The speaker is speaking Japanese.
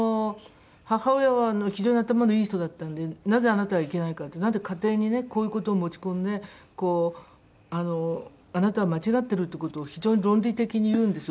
母親は非常に頭のいい人だったんでなぜあなたがいけないかってなんで家庭にねこういう事を持ち込んでこうあのあなたは間違ってるって事を非常に論理的に言うんですよ